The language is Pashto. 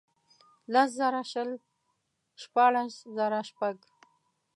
لس زره شل ، شپاړس زره شپږ.